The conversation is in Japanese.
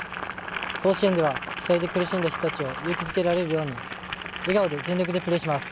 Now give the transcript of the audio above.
甲子園では被災で苦しんだ人たちを勇気づけられるように笑顔で全力でプレーします。